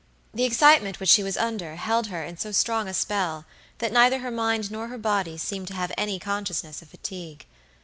The excitement which she was under held her in so strong a spell that neither her mind nor her body seemed to have any consciousness of fatigue.